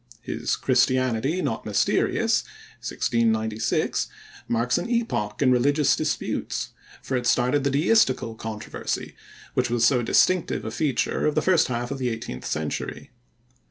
His Christianity not Mysterious (1696) marks an epoch in religious disputes, for it started the deistical controversy which was so distinctive a feature of the first half of the eighteenth century.